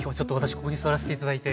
ここに座らせて頂いて。